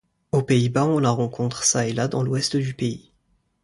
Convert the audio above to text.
Aux Pays-Bas on la rencontre çà et là dans l’ouest du pays.